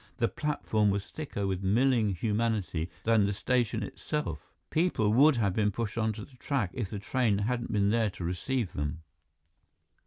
The platform was thicker with milling humanity than the station itself. People would have been pushed onto the track, if the train hadn't been there to receive them.